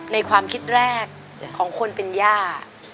ในความคิดแรกของคนเป็นย่า